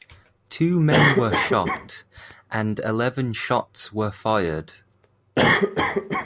Two men were shot, and eleven shots were fired.